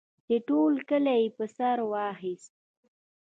چې ټول کلی یې په سر واخیست.